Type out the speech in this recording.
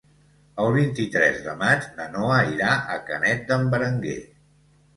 El vint-i-tres de maig na Noa irà a Canet d'en Berenguer.